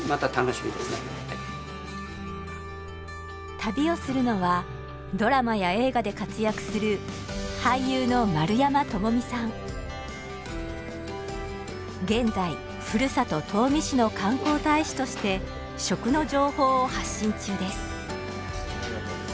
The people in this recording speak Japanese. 旅をするのはドラマや映画で活躍する現在ふるさと東御市の観光大使として食の情報を発信中です。